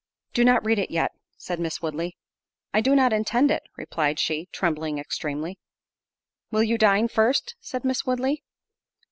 "Do not read it yet," said Miss Woodley. "I do not intend it," replied she, trembling extremely. "Will you dine first?" said Miss Woodley.